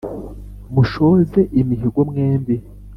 mushoze imihigo mwebi